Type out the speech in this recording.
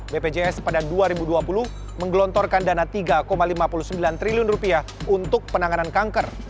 bpjs pada dua ribu dua puluh menggelontorkan dana rp tiga lima puluh sembilan triliun untuk penanganan kanker